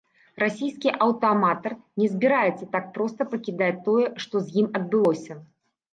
Расійскі аўтааматар не збіраецца так проста пакідаць тое, што з ім адбылося.